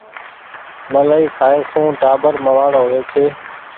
ملآئي کآئي سون ٽآٻر موآڙ هووي ڇي